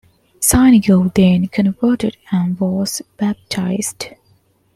Cynegils then converted and was baptized.